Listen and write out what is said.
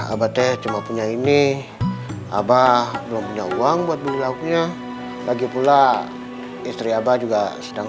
aba teh cuma punya ini abah belum punya uang buat beli lakunya lagi pula istri abah juga sedang